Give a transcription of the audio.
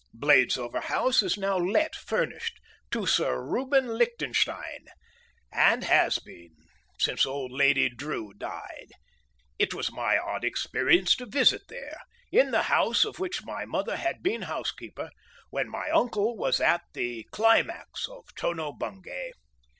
Bladesover House is now let furnished to Sir Reuben Lichtenstein, and has been since old Lady Drew died; it was my odd experience to visit there, in the house of which my mother had been housekeeper, when my uncle was at the climax of Tono Bungay.